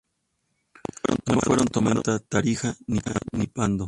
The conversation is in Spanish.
No fueron tomados en cuenta Tarija ni Pando.